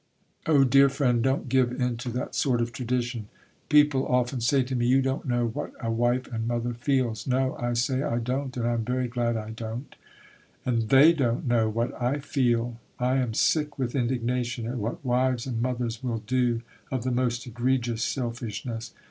Oh, dear friend, don't give in to that sort of tradition. People often say to me, You don't know what a wife and mother feels. No, I say, I don't and I'm very glad I don't. And they don't know what I feel.... I am sick with indignation at what wives and mothers will do of the most egregious selfishness.